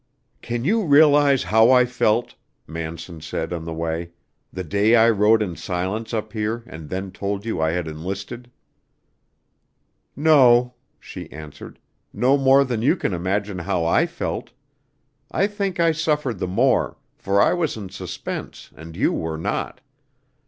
"Can you realize how I felt," Manson said on the way, "the day I rode in silence up here and then told you I had enlisted?" "No," she answered; "no more than you can imagine how I felt. I think I suffered the more, for I was in suspense and you were not.